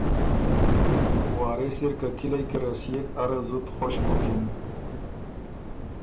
وارث اِر که کِلئ کی رسيېک اره زُت خوش بُکِن۔